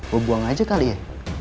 gue buang aja kali ya